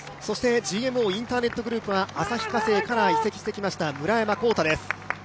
ＧＭＯインターネットグループは旭化成から移籍してきました村山紘太です。